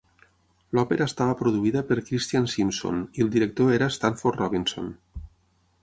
L'òpera estava produïda per Christian Simpson i el director era Stanford Robinson.